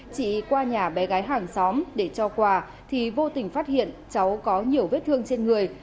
chị qua nhà bé gái hàng xóm để cho quà thì vô tình phát hiện cháu có nhiều vết thương trên người